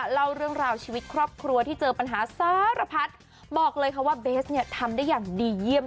เล่าเรื่องราวชีวิตครอบครัวที่เจอปัญหาสารพัดบอกเลยค่ะว่าเบสเนี่ยทำได้อย่างดีเยี่ยม